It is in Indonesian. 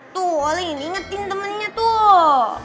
tuh paling ingetin temennya tuh